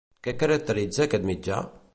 Què caracteritza aquest mitjà?